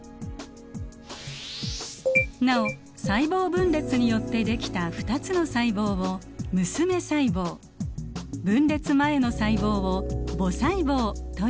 なお細胞分裂によってできた２つの細胞を娘細胞分裂前の細胞を母細胞といいます。